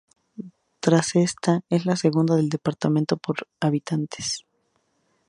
Tras esta, es la segunda del departamento por habitantes.